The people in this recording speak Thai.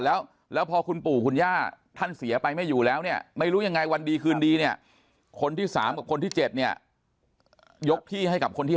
แล้วแล้วพอคุณปู่คุณย่าท่านเสียไปไม่อยู่แล้วเนี่ยไม่รู้ยังไงวันดีคืนดีเนี่ยคนที่๓กับคนที่๗เนี่ยยกที่ให้กับคนที่